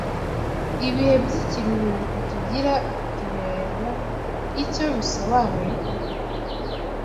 ibihe by’ikiruhuko tugira bitubera icyo bisobanuye koko: